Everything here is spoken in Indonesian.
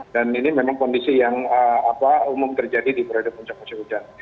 dan ini memang kondisi yang umum terjadi di periode puncak musim hujan